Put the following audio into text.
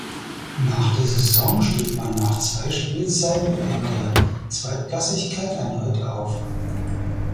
Nach der Saison stieg man nach zwei Spielzeiten in der Zweitklassigkeit erneut auf.